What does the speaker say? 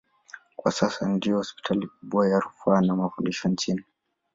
Kwa sasa ndiyo hospitali kubwa ya rufaa na mafundisho nchini.